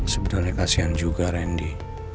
sebenarnya kasihan juga randy